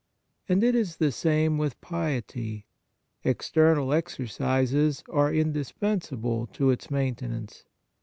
And it is the same with piety — ex ternal exercises are indispensable to its maintenance.